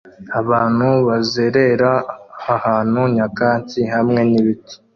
Abantu bazerera ahantu nyakatsi hamwe nibiti